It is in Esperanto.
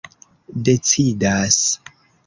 decidas